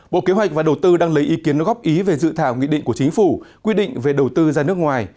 bộ kế hoạch và đầu tư đang lấy ý kiến góp ý về dự thảo nghị định của chính phủ quy định về đầu tư ra nước ngoài